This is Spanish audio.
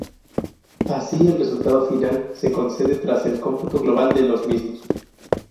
Así, el resultado final se concede tras el cómputo global de los mismos.